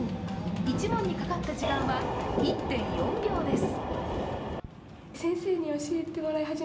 １問にかかった時間は、１．４秒です。